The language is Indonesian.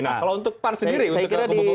nah kalau untuk pan sendiri untuk pak prabowo